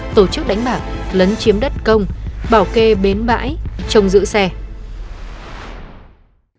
tổ chức đánh bạc lấn chiếm đất công bảo kê bến bãi trồng giữ xe